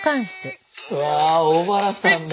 わあ小原さんだ。